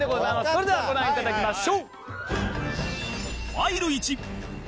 それではご覧頂きましょう！